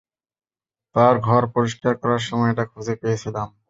তার ঘর পরিষ্কার করার সময় এটা খুঁজে পেয়েছিলাম।